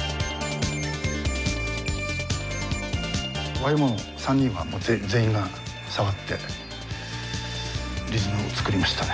ＹＭＯの３人は全員が触ってリズムを作りましたね。